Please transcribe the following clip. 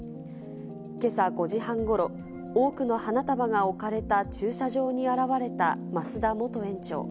けさ５時半ごろ、多くの花束が置かれた駐車場に現れた増田元園長。